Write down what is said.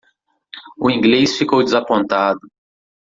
O inglês ficou desapontado.